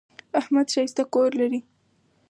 احمد ښایسته کور لري.